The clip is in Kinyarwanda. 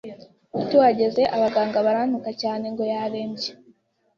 tuhageze abaganga barantuka cyane ngo yarembye,